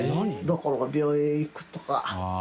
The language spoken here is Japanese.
どこの病院へ行くとか。